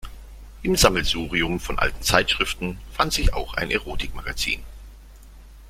Im Sammelsurium von alten Zeitschriften fand sich auch ein Erotikmagazin.